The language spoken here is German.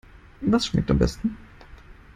Was schmeckt am besten?